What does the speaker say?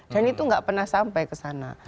dan itu tidak pernah sampai ke sana